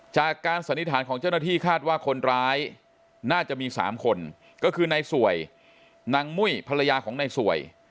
สันนิษฐานของเจ้าหน้าที่คาดว่าคนร้ายน่าจะมี๓คนก็คือในสวยนางมุ้ยภรรยาของในสวย